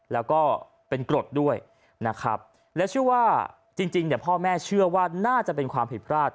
แล้วก็เป็นกรดด้วยนะครับและเชื่อว่าจริงเนี่ยพ่อแม่เชื่อว่าน่าจะเป็นความผิดพลาด